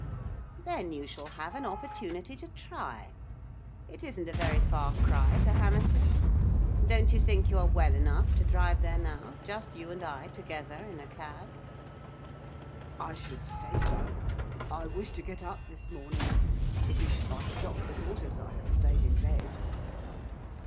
'Then you shall have an opportunity to try. It isn't a very far cry to Hammersmith, don't you think you are well enough to drive there now, just you and I together in a cab?' 'I should say so. I wished to get up this morning. It is by the doctor's orders I have stayed in bed.